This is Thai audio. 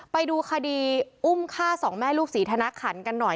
ไปดูคดีอุ้มฆ่าสองแม่ลูกศรีธนขันกันหน่อย